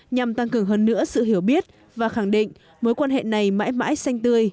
nhằm tăng cường hơn nữa sự hiểu biết và khẳng định mối quan hệ này mãi mãi xanh tươi